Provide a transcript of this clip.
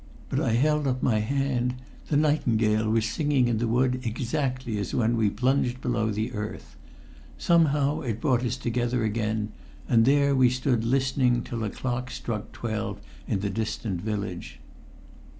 But I held up my hand: the nightingale was singing in the wood exactly as when we plunged below the earth. Somehow it brought us together again, and there we stood listening till a clock struck twelve in the distant Village.